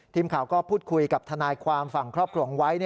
ทีมข่าวก็พูดคุยกับทนายความฝั่งครอบครัวของไวท์